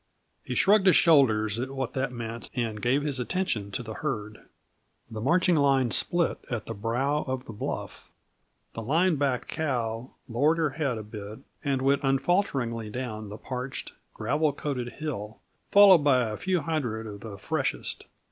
He shrugged his shoulders at what that meant, and gave his attention to the herd. The marching line split at the brow of the bluff. The line backed cow lowered her head a bit and went unfaltering down the parched, gravel coated hill, followed by a few hundred of the freshest.